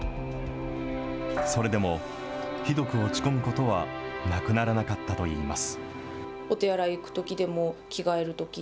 それでも、ひどく落ち込むことはなくならなかったといいます。